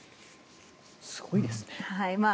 すごいですね。